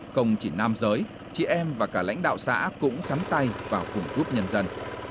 không chỉ nam giới chị em và cả lãnh đạo xã cũng sắm tay vào cùng giúp nhân dân